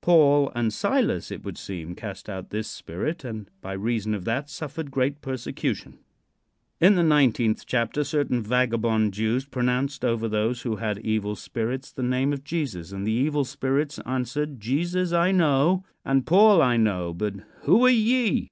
Paul and Silas, it would seem, cast out this spirit, and by reason of that suffered great persecution. In the nineteenth chapter certain vagabond Jews pronounced over those who had evil spirits the name of Jesus, and the evil spirits answered: "Jesus I know, and Paul I know, but who are ye?"